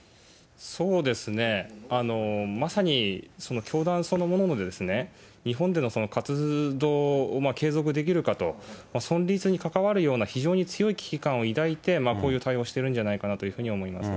そうですね、まさに教団そのものの日本での活動を継続できるかと、存立にかかわるような非常に強い危機感を抱いてこういう対応をしてるんじゃないかなというふうに思います。